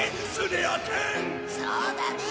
そうだねえ！